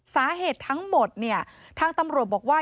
สาเหตุทั้งหมดเนี่ยทางตำรวจบอกว่า